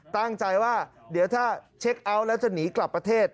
ตั้งใจว่าเดี๋ยวถ้าเช็คเอาท์แล้วจะหนีกลับประเทศ